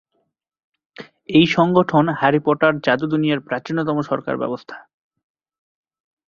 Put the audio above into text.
এই সংগঠন "Harry Potter" জাদু দুনিয়ার প্রাচীনতম সরকার ব্যবস্থা।